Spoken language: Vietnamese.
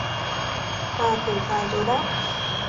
Hà thở dài rồi đáp